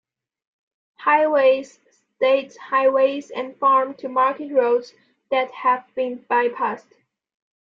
Highways, state highways and farm to market roads that have been bypassed.